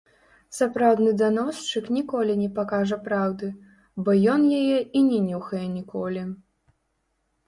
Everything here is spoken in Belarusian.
Сапраўдны даносчык ніколі не пакажа праўды, бо ён яе і не нюхае ніколі.